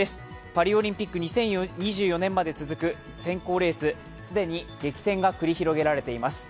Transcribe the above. パリオリンピック、２０２４年まで続く選考レース既に激戦が繰り広げられています。